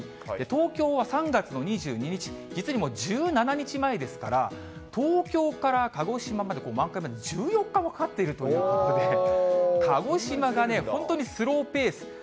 東京は３月の２２日、実に１７日前ですから、東京から鹿児島まで満開まで１４日もかかっているということで、鹿児島が本当にスローペース。